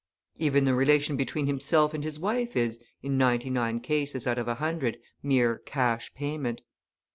Even the relation between himself and his wife is, in ninety nine cases out of a hundred, mere "Cash Payment."